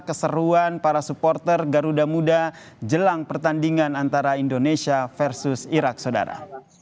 keseruan para supporter garuda muda jelang pertandingan antara indonesia versus irak saudara